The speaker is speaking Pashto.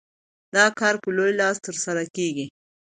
دا کار په لوی لاس ترسره کېږي.